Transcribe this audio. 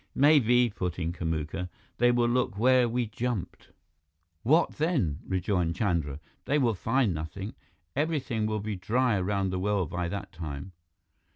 "Maybe," put in Kamuka, "they will look where we jumped." "What then?" rejoined Chandra. "They will find nothing. Everything will be dry around the well by that time."